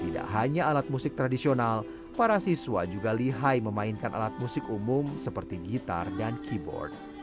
tidak hanya alat musik tradisional para siswa juga lihai memainkan alat musik umum seperti gitar dan keyboard